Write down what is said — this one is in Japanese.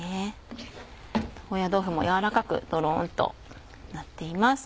高野豆腐もやわらかくとろんとなっています。